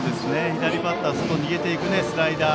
左バッターの外に逃げていくスライダー。